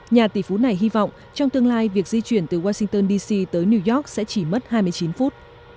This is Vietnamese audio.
nhà tỷ phú này hy vọng trong tương lai việc di chuyển từ washington dc tới new york sẽ chỉ mất hai mươi chín phút